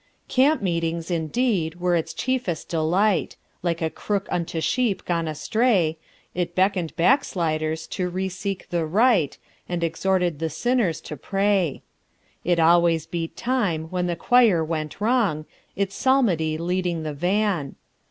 Camp meetings, indeed, were its chiefest delight. Like a crook unto sheep gone astray It beckoned backsliders to re seek the right, And exhorted the sinners to pray. It always beat time when the choir went wrong, In psalmody leading the van.